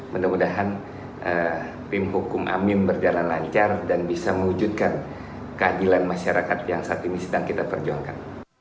mudah mudahan tim hukum amin berjalan lancar dan bisa mewujudkan keadilan masyarakat yang saat ini sedang kita perjuangkan